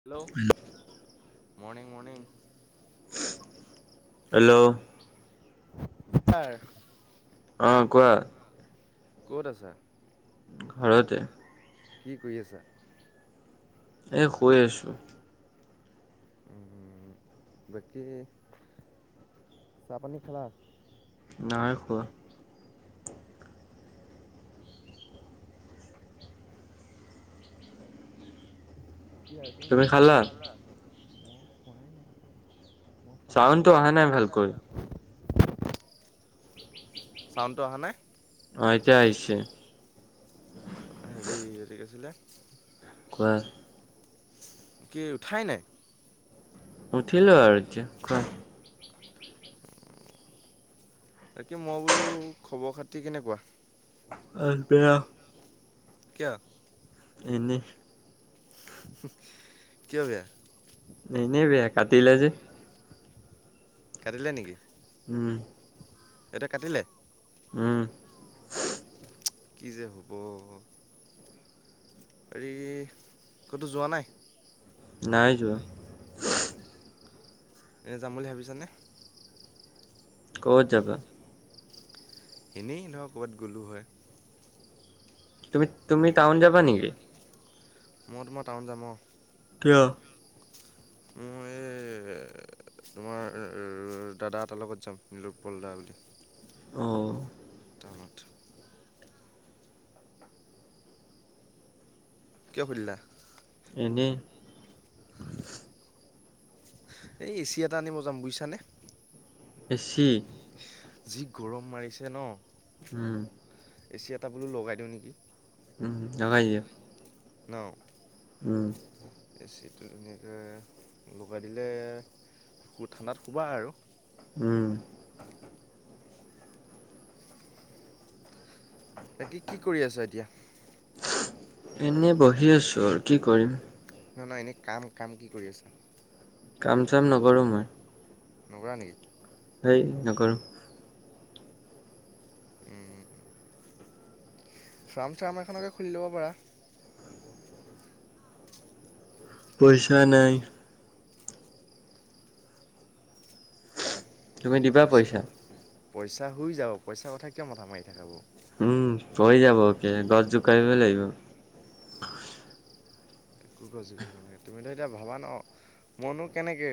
Hello morning morning hello হয়। অ কোৱা? ক'ত আছা। ঘৰতে কি কৰি আছা? এই শুই আছোঁ। হম বাকী চাহ পানী খালা? নাই খোৱা। কিয়া তুমি উঠাই নাই নেকি? মই খোৱাই নাই। মই ফাৰ্মত আহিছোঁ। ছাউণ্ডটো অহা নাই ভাল চাউণ্ডটো অহা নাই। অ' এতিয়া আহিছে। হেৰি সেইটো কি আছিলে। কোৱা? কি উঠাই নাই। উঠিলো আৰু এতিয়া কোৱা? তাকে মই বোলো খবৰ খাতি কেনেকুৱা? আৰু পেয়া কিয়? এনেই কিয় বেয়া? এনেই বেয়া কাটিলে যে কাটিলে নেকি? উম! এতিয়া কাটিলে? উম! কি যে হ'ব। হেৰি ক'তো যোৱা নাই? নাই যোৱা। এতিয়া যাম বুলি ভাবিছানে? ক'ত যাবা? এনেই ধৰক ক'ৰবাত গ'লোঁ হয়। তুমি তুমি টাউন যাবা নেকি? মই তোমাৰ টাউন যাম অ' কিয়? মোৰ এই তোমাৰ দাদা এটাৰ লগত যাম নীলোৎপল দা বুলি অঁ টাউনত কিয় সুধিলা? এনেই এই এচি এটা আনিব যাম বুজিছানে? এ চি যি গৰম মাৰিছে ন' উম! এ চি এটা বোলো লগাই দিওঁ নেকি? উম লগাই দিয়া। ন উম এ চি টো এনেকে লগাই দিলে বহুত ঠাণ্ডাত শুবা আৰু উম তাকে কি কৰি আছা এতিয়া? এনেই বহি আছো আৰু কি কৰিম। নহয় নহয় এনে কাম কাম কি কৰি আছা? কাম চাম নকৰোঁ মই। নকৰা নেকি? হেই নকৰোঁ। ফাৰ্ম চাৰ্ম এখনকে খুলি ল'ব পাৰা। পইচা নাই। তুমি দিবা পইচা পইচা হৈ যাব পইচাৰ কথা কিয় মথা মাৰি থাকা। বাৰু উম হৈ যাব কে গছ জোকাৰিব লাগিব। একোগ গছ জোকাৰিব নালাগে তুমিতো এতিয়া ভাবা ন। মইনো কেনেকে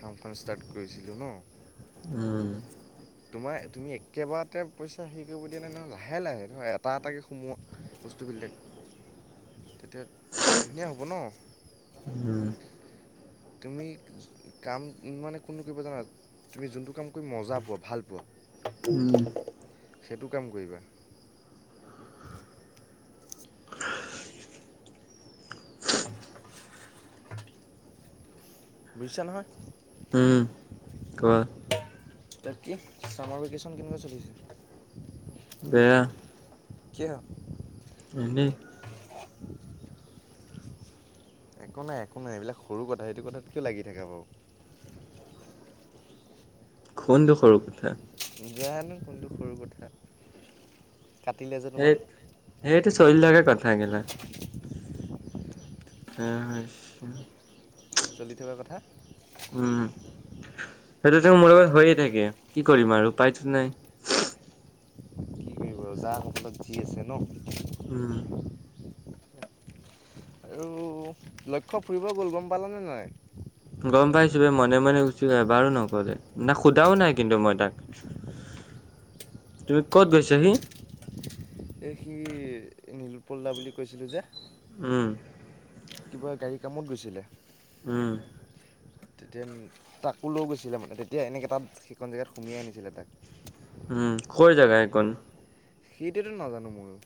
ফাৰ্মখন ষ্টাৰ্ট কৰিছিলোঁ ন। উম। তোমাৰ তুমি একেবাৰতে পইচা হেৰি কৰিব দিয়া নাই নহয় লাহে লাহে ধৰক এটা এটাকৈ সোমোৱা বস্তুবিলাক। তেতিয়া ধুনীয়া হ'ব ন। উম তুমি কাম মানে কোনো কৰিবা জানাত তুমি যোনটো কাম কৰি মজা পোৱা ভাল পোৱা উম সেইটো কাম কৰিবা। বুজিছা নহয়। উম কোৱা তাকে চামাৰ ভেকেশচন কেনেক চলিছে। বেয়া। কিয়? এনেই। [unintelligible] একো নাই একো নাই এইবিলাক সৰু কথা সেইটো কথাত কিয় লাগি থাকা বাৰু। কোনটো সৰু কথা। জানো কোনটো সৰু কথা কাটিলে যে সেই তোমাক। সেইটো চলি লোৱা কথা কেলা। [unintelligible] চলি থকা কথা। উম। সেইটো মোৰ লগত হৈয়ে থাকে। কি কৰিম আৰু পাইতো নাই। ৰজা মতলপ বহি আছে ন। উম। আৰু লক্ষ্য ফুৰিব গ'ল গম পালানে নাই। গম পাইছোঁ মনে মনে গুছি এবাৰো নকলে না সোধাও নাই কিন্তু মই তাক। তুমি ক'ত গৈছে হি। এ সি নীৰুপল্ল দা বুলি কৈছিলো যে উম। কিবা গাড়ী কামত গৈছিলে। উম তেতিয়া তাকো লৈ গৈছিলে মানে তেতিয়া এনেকে এটাত সেইখন জেগাত সুমিয়াই আনিছিলে তাক। উম কৰ জাগা হেইকন? সেইটোৱেতো নাজানো ময়ও,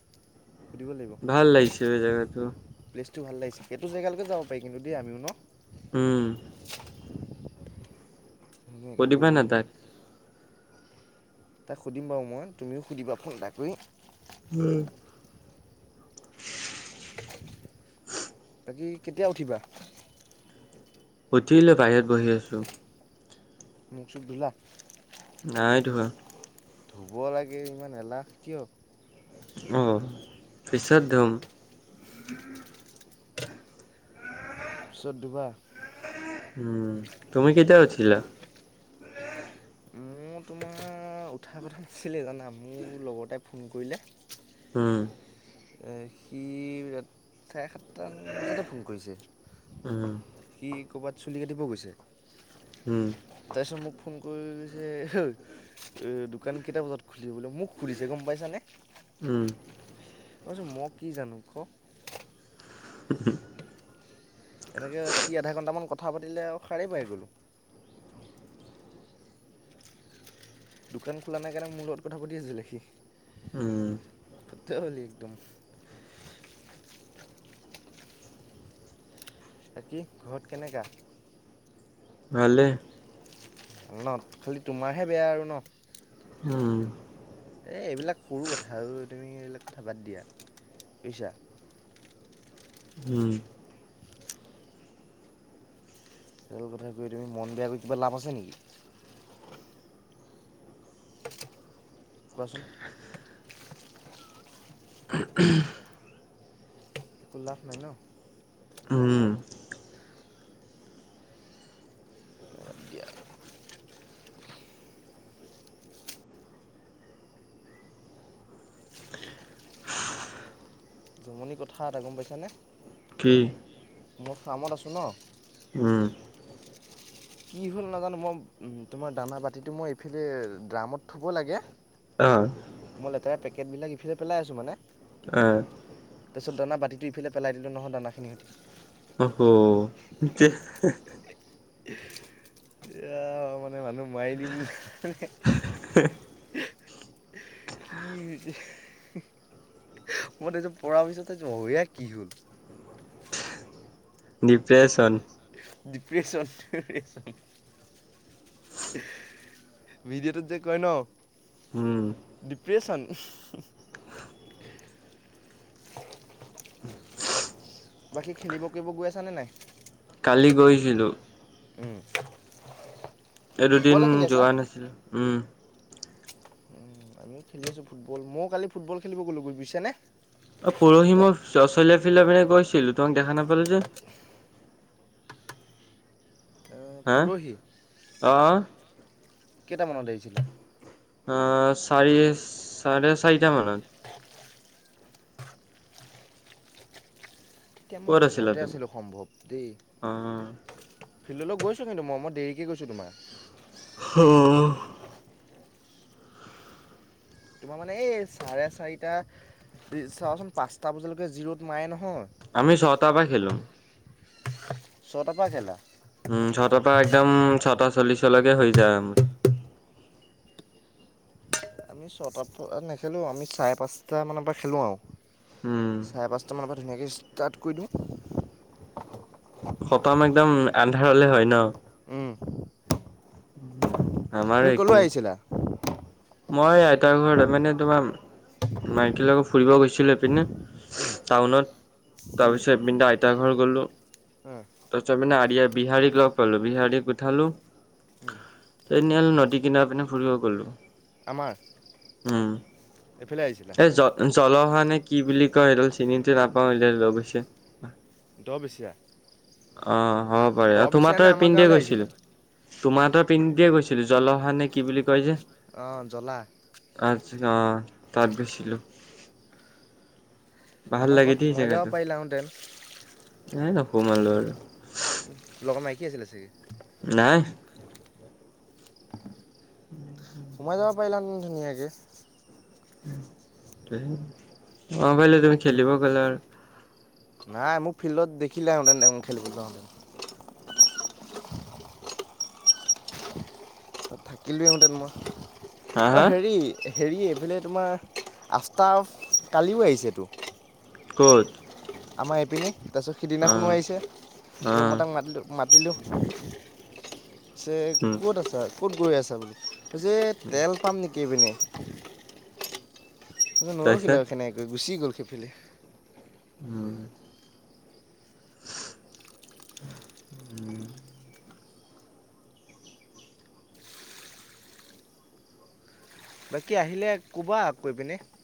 সুধিব লাগিব। ভাল লাগিছে জেগাটো প্লেচটো ভাল লাগিছিল। সেইটো জেগালৈকে যাব পাৰি কিন্তু দেই আমি ন। উম। ধুনীয়াকৈ সুধিবা না গ'লোঁ। তাক তাক সুধিম বাৰু মই তুমিও সুধিবা ফোন এটা কৰি। উম। [unintelligible] বাকী কেতিয়া উঠিবা? উঠিলো বাহিৰত বহি আছোঁ। মুখ চুখ ধোলা? নাই ধোৱা। ধুব লাগে, ইমান এলাহ কিয়? উমঁ, পিছ ধোম। পিছত ধোবা। উম, তুমি কেতিয়া উঠিলা? মোৰ তোমাৰ উঠাৰ কথা নাছিলে জানা মোৰ লগতে ফোন কৰিলে। উম। সি চাৰে সাত- সাতটাম বজাতে ফোন কৰিছে, উম সি ক'ৰবাত চুলি কাটিব গৈছে। উমঁ। তাৰপিছত মোক ফোন কৰিছে- এ দোকান কেইটা বজাত খুলিব মোক সুধিছে গম পাইছানে। উমঁ। মই কইছো মই কি জানো ক। উ হু। তেনেকৈ সি আধা ঘণ্টামান কথা পাতিলে সাৰে পাই গলোঁ। দোকান খোলা নাই কাৰণে মোৰ লগত কথা পাতি আছিলে সি। উম। সে হ'লি একদম। বাকী ঘৰত কেনেকা? ভালেই। ভাল ন, খালি তোমাৰহে বেয়া আৰু ন? উম। এই এইবিলাক সৰু কথা আৰু তুমি এইবিলাক কথা বাদ দিয়া বুজিছা। উম। সেইবোৰ কথা কৈ তুমি মন বেয়া কৰি লাভ আছে নেকি। কোৱাচোন? উ উম। একো লাভ নাই ন। উমঁ। বাদ দিয়া জমনি কথা এটা গম পাইছানে। কি? মই কামত আছোঁ ন। উম কি হ'ল নাজানো মই উম তোমাৰ দানা বাতিটো মই এইফালে ড্ৰামত থব লাগে। অহ মই লেতেৰা পেকেট ইফালে পেলাই আছো মানে। এহ। তাৰপিছত দানা বাতিটো ইফালে পেলাই দিলোঁ নহয় দানাখিনি সৈতে। অহু কি ছে। এয়া মানে মানুহ মাৰি দিম হুহ। কি হৈছে হুহ। মই এইটো পৰা পিছতে চাইছো অ ইয়াৰ কি হ'ল। ডিপ্ৰেচন। ডিপ্ৰচন হুেহ হুে ভিডিঅ' টোত যে কয় ন। উম ডিপ্ৰেচন হৌহ। বাকী খেলিব কৰিব গৈ আছা নে নাই। কালি গৈছিলোঁ। উম। এই দুদিন যোৱা নাছিলো উম। উম আমিও খেলি আছো ফুটবল ময়ো কালি ফুটবল খেলিব গলোঁ গৈ বুজিছে নে। অহ পৰহি মই ল'ৰা ছোৱালী ফিল দৰ পিনে গৈছিলোঁ তোমাক দেখা নাপালোঁ যে। অহ পৰহি। আহ। কেইটামানত আহিছিলে। অহ চাৰি চাৰে চাৰিটা মানত। তেতিয়া মই ক'ত আছিলা ঘৰতে তুমি? আছিলোঁ সম্ভৱ দেই। অ ফিললৈ গৈছো কিন্তু ম মই দেৰিকে গৈছো তোমাৰ। হ তোমাৰ মানে এই চাৰে চাৰিটা। এ চাওঁচোন পাঁচটা বজালৈকে যি ৰ'দ মাৰে নহয়। আমি ছটা পাই খেলোঁ। ছয়টা খেলা। উম ছটাৰ পৰা একদম ছটা চল্লিশলৈকে হৈ যায় আৰু। আমি ছটা পৰা নেখেলো আমি চাৰে পাঁচটা মানৰ পৰা খেলো আও উম চাৰে পাঁচটামানৰ পৰা ধুনীয়াকে ষ্টাৰ্ট কৰি দিওঁ। খতাম একদম আন্ধাৰ হলে হয় ন। উম উম আমাৰো তুমি কলৈ একেই আহিছিলা। মই আইতাৰ ঘৰত মানে তোমাৰ মাইকীৰ লগত ফুৰিব গৈছিলো এইপিনে। উম। টাউনত উম, তাৰপিছত এপিতা আইতাৰ ঘৰ গ'লোঁ উম, তাৰপিছত মানে আৰিয়া বিহাৰীক লগ পালোঁ বিহাৰীক উঠালো। উম, এনেই হলো নদী কিনাৰ পিনে ফুৰিব গলোঁ। আমাৰ [unintelligible] উম! এইফালে আহিছিলা এই যত [unintelligible] জল অহা নে কি বুলি কয় সেইডাল চিনিতো নাপাওঁ সেইডাল লৈ গৈছে। [unintelligible] দ বেচিয়া। আহ! হ'ব দ পাৰে। তোমাৰ বেচিয়া নে হঁতৰ আমাৰ এইপিনদে গাঁৱলৈ গৈছিল। আহিছিলা? [unintelligible] তোমাৰহঁতৰ পিনে দিয়ে গৈছিল। জল অহা নে কি বুলি কয় যে? [unintelligible] অঁ! জ্বলা? [unintelligible] আতছা তাত গৈছিলোঁ। [unintelligible] ভাল আমাৰ লাগে ঘৰত দেই সোমাই যাব জেগাটো। পাৰিলাহেঁতেন। এ নুসোমালো আৰু [unintelligible] লগত মাইকী আছিলে চাগে [unintelligible] নাই। [unintelligible] সোমাই যাব পাৰিলাহেঁতেন ধুনীয়াকে। [unintelligible] [unintelligible] অঁ এইয়াৰ পৰাই লৈ যাবি [unintelligible] [inaudible] নাই মোক ফিল্ডত দেখিলে মানে [unintelligible] খেলিবলৈ যাওঁঁতে। থাকিলোৱেহঁতেন মই হা [inaudible] অঁ! হা হেৰি হেৰি এইফালে তোমাৰ [unintelligible] কালিও আহিছেটো। ক'ত? [inaudible] আমাৰ এইপিনে। তাৰপিছত অ সিদিনাখনো আহিছে অ ত মই তাক মাতিলোঁ। [unintelligible] মাতিলোঁ। পিছে উম ক'ত আছা, ক'ত গৈ আছা বুলি? [unintelligible] কৈছে তেল পাম নেকি এইপিনে? [unintelligible] [unintelligible] নৰখিলে তাৰপিছত সেনেকে কৈ গুচি গ'ল সেইফালে। উম [unintelligible] বাকী আহিলে ক'বা আকৌ এইপিনে? [unintelligible]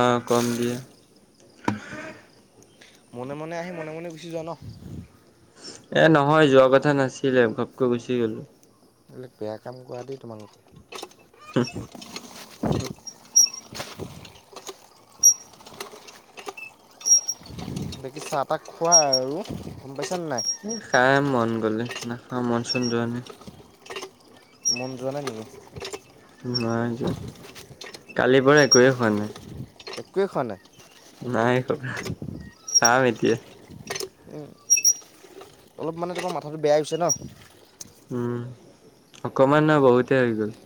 অঁ! কম দিয়া। [unintelligible] মনে-মনে আহি, মনে-মনে গুচি যোৱা ন? [unintelligible] এ নহয় যোৱা কথা নাছিলে ঘপকৈ গুচি গলোঁ। [unintelligible] এইবিলাক বেয়া কাম কৰা দেই তোমালোকে। [inaudible] হা [unintelligible] বাকী চাহ-তাহ খোৱা আৰু গম পাইছানে নাই? [unintelligible] খাম মন গ'লে, নাখাওঁ মন-চন যোৱা নাই। [unintelligible] মন যোৱা নাই নেকি? [inaudible] নাই যোৱা। কালিৰ পৰা একোৱেই খোৱা নাই। [inaudible] একোৱেই খোৱা নাই? [unintelligible] নাই খোৱা। খাম এতিয়া। [unintelligible] উম! অলপ মানে তোমাৰ মাথাটো বেয়া হৈ গৈছে ন? [unintelligible] উম! অকণমান নহয় বহুতে হৈ গ'ল। [unintelligible]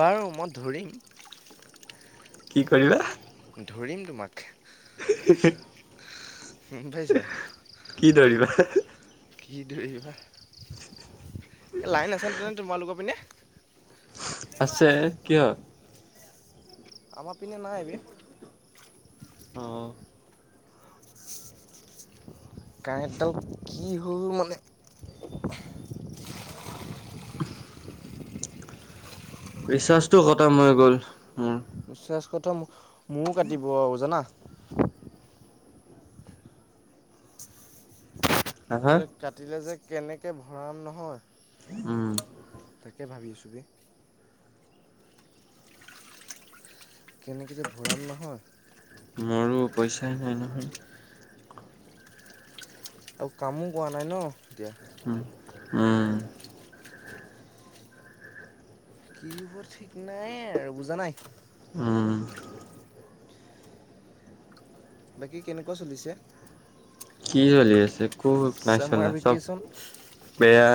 বাৰু মই ধৰিম [unintelligible] কি কৰিবা? [unintelligible] ধৰিম তোমাক [unintelligible] আ [unintelligible] উম! [unintelligible] পাইছা? কি ধৰিবা? [unintelligible] কি ধৰিবা? এই লাইন আছেনে তোমালোকৰ পিনে? [unintelligible] আছে। কিয়? [unintelligible] আমাৰ পিনে নাই বে। [unintelligible] অঁ! [unintelligible] কাৰেণ্টডাল কি হ'ল মানে ৰিচাৰ্জটো খটম হৈ গ'ল উম ৰিৰ্চাজ খটম মো কাটিব আৰু জানা হা হা, যে কাটিলে যে কেনেকে ভৰাম নহয় উম তাকে ভাবিছোঁ বে কেনেকে যে ভৰাম নহয় মোৰো পইচাই নাই নহয় আও কামো কৰা নাই ন এতিয়া উম উম কি হব ঠিক নাই আৰু বুজা নাই উম বাকী কেনেকুৱা চলিছে কি চলি আছে ক নাই চামাৰ চলা চব ভেকেশ্যন বেয়া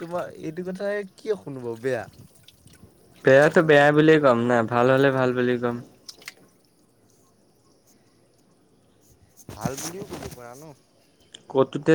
তোমাৰ এইটো কথাই কিয় শুনো বাউ বেয়া বেয়াতো বেয়া বুলিয়ে ক'ম না ভাল হ'লে ভাল বুলি ক'ম ভাল বুলিও ক'ব পাৰা ন কতুতে যে